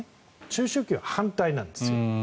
中小企業は反対なんですよ。